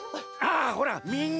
あほらみんな！